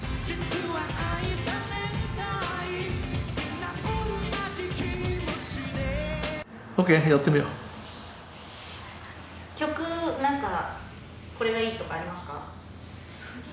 曲何かこれがいいとかありますか？